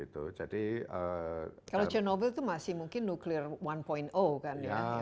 kalau chernobyl itu masih mungkin nuklir satu kan ya